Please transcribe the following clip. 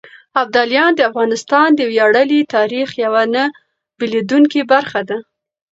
ابداليان د افغانستان د وياړلي تاريخ يوه نه بېلېدونکې برخه ده.